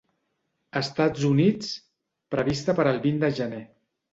Estats Units, prevista per al vint de gener.